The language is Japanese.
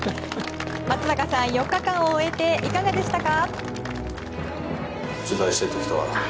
松坂さん、４日間終えていかがでしたか？